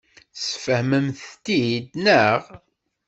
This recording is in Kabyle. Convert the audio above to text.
Tesfehmemt-t-id, naɣ?